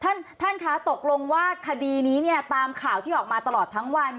ท่านท่านคะตกลงว่าคดีนี้เนี่ยตามข่าวที่ออกมาตลอดทั้งวัน